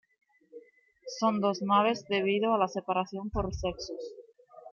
Son dos naves debido a la separación por sexos.